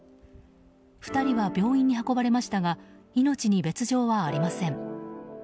２人は病院に運ばれましたが命に別条はありません。